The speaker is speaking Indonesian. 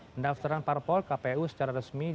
pendaftaran parpol kpu secara resmi